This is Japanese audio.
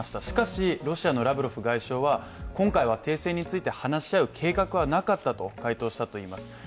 しかし、ロシアのラブロフ外相は今回は停戦について話し合う計画はなかったと回答したといいます。